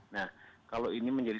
nah kalau ini menjadi